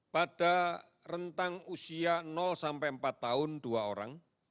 pada rentang usia sampai empat tahun dua orang